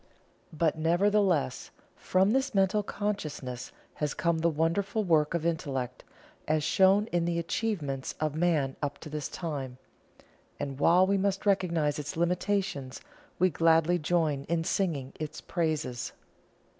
But, nevertheless, from this Mental Consciousness has come the wonderful work of Intellect, as shown in the achievements of Man up to this time, and while we must recognize its limitations, we gladly join in singing its praises.